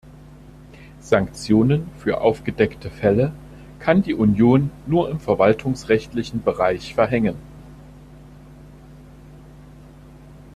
Sanktionen für aufgedeckte Fälle kann die Union nur im verwaltungsrechtlichen Bereich verhängen.